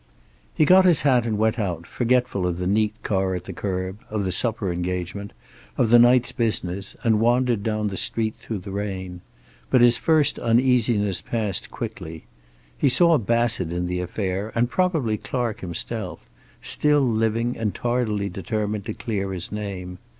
He got his hat and went out, forgetful of the neat car at the curb, of the supper engagement, of the night's business, and wandered down the street through the rain. But his first uneasiness passed quickly. He saw Bassett in the affair, and probably Clark himself, still living and tardily determined to clear his name.